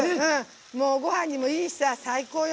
もう、ごはんにもいいし最高よ。